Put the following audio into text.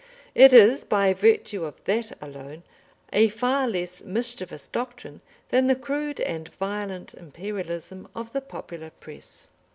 It is, by virtue of that alone, a far less mischievous doctrine than the crude and violent Imperialism of the popular Press.